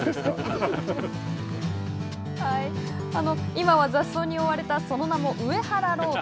今は雑草に覆われたその名も上原ロード。